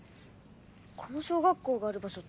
この小学校がある場所